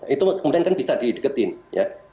itu kemudian kan bisa didekatkan